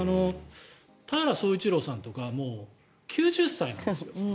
田原総一朗さんとか９０歳なんですよ。